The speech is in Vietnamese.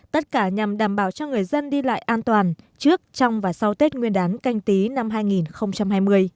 tất cả nhằm đảm bảo cho người dân đi lại an toàn trước trong và sau tết nguyên đán canh tí năm hai nghìn hai mươi